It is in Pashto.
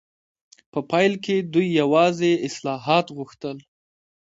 په پیل کې دوی یوازې اصلاحات غوښتل.